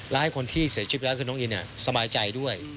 และให้คนที่เสียชีวิตแล้วคือน้องอินสบายใจด้วย